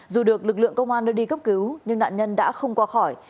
dù được lực lượng công an đưa đi cấp cứu nhưng nạn nhân đã không qua khỏi